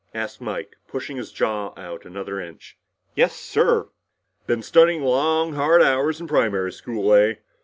asked Mike, pushing his jaw out another inch. "Yes, sir!" "Been studying long hard hours in primary school, eh?